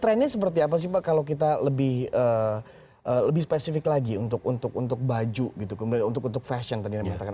trendnya seperti apa sih pak kalau kita lebih spesifik lagi untuk untuk baju gitu kemudian untuk fashion tadi anda mengatakan